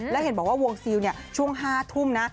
แล้วเห็นบอกว่าวงซิลช่วง๕ทุ่มนะ